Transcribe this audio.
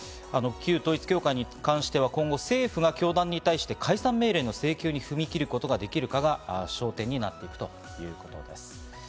旧統一教会に関しては今後政府が解散命令の請求に踏み切ることができるかが焦点になっているということです。